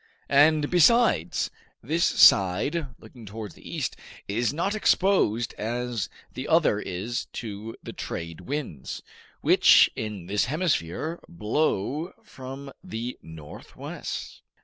And, besides, this side, looking towards the east, is not exposed as the other is to the trade winds, which in this hemisphere blow from the northwest."